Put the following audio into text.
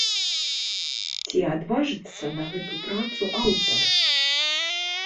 Ці адважыцца на гэту працу аўтар?